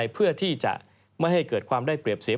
เพื่อที่จะไม่ให้เกิดความได้เปรียบเสีย